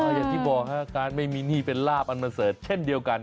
อย่างที่บอกฮะการไม่มีหนี้เป็นลาบอันประเสริฐเช่นเดียวกัน